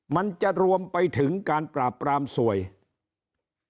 มันจะรวมไปถึงการปราบปรามส่วนของการลุกขึ้นมา